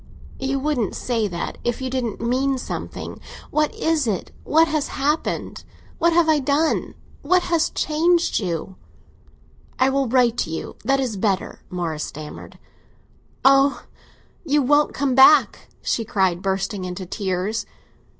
"You wouldn't say that if you didn't mean something. What is it?—what has happened?—what have I done?—what has changed you?" "I will write to you—that is better," Morris stammered. "Ah, you won't come back!" she cried, bursting into tears.